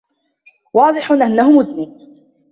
واضح أنّه مذنب.